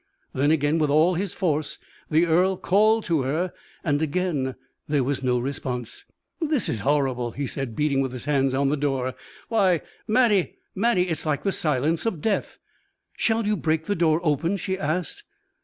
Then again, with all his force, the earl called to her, and again there was no response. "This is horrible," he said, beating with his hands on the door. "Why, Mattie, Mattie, it is like the silence of death." "Shall you break the door open?" she asked.